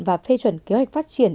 và phê chuẩn kế hoạch phát triển